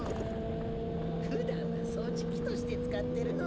ふだんはそうじきとしてつかってるのだ。